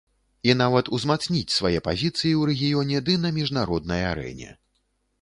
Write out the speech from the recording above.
І нават узмацніць свае пазіцыі ў рэгіёне ды на міжнароднай арэне.